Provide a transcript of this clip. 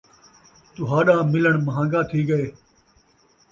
تہاݙا ملݨ مہانگا تھی ڳئے